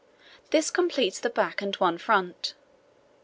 This completes the back and one front.